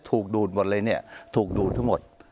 ถูกดูดหมดเลยเนี่ยถูกดูดทั้งหมด